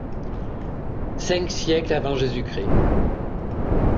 V siècle av.